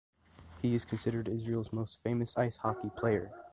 He is considered Israel’s most famous ice hockey player.